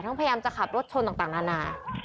พยายามจะขับรถชนต่างนานา